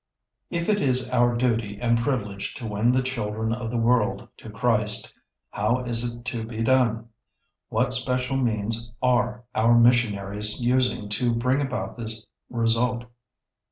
] If it is our duty and privilege to win the children of the world to Christ, how is it to be done? What special means are our missionaries using to bring about this result?